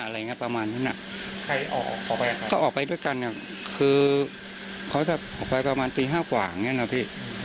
แล้วพอรถเขาไม่มีแล้วเนี่ยเขาออกไปอย่างไร